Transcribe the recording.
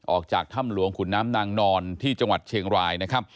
ออกจากถ้ำหลวงขุนน้ำนางนอนที่จังหวัดเชียงรายนะครับ